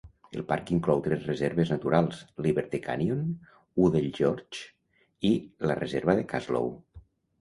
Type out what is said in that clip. El parc inclou tres reserves naturals: Liberty Canyon, Udell Gorge i la reserva de Kaslow.